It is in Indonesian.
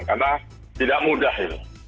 karena tidak mudah itu